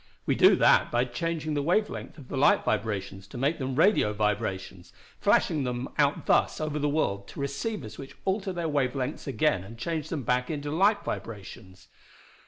We do that by changing the wave length of the light vibrations to make them radio vibrations, flashing them out thus over the world, to receivers which alter their wave lengths again and change them back into light vibrations.